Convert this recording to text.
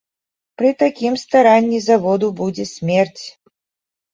Пры такім старанні заводу будзе смерць.